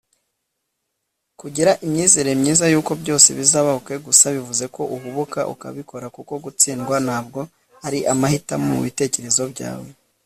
kugira imyizerere myiza yuko byose bizaba o.k. gusa bivuze ko uhubuka ukabikora kuko gutsindwa ntabwo ari amahitamo mubitekerezo byawe